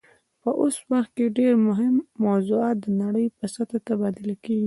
په اوس وخت کې ډیر مهم موضوعات د نړۍ په سطحه تبادله کیږي